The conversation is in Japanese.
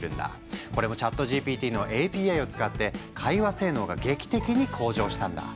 これもＣｈａｔＧＰＴのＡＰＩを使って会話性能が劇的に向上したんだ。